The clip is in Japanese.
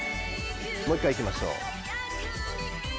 もう１回いきましょう。